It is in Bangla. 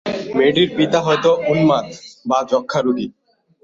মেয়েটির পিতা হয়তো উন্মাদ বা যক্ষ্মারোগী।